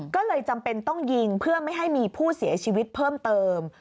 ก็เลยจำเป็นต้องยิงเพื่อไม่ให้มีผู้เสียชีวิตเพิ่มเติม